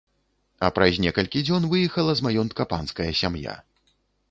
А праз некалькі дзён выехала з маёнтка панская сям'я.